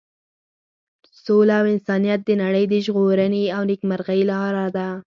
سوله او انسانیت د نړۍ د ژغورنې او نیکمرغۍ لاره ده.